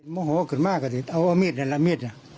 ม่อโหก็เกิดมากเลยเอาเอาเม็ดอันละเม็ด